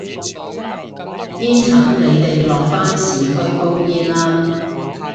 煙剷你哋落返市區煲煙啦